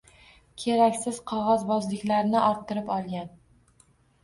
Keraksiz qog‘ozbozliklarni orttirib olgan.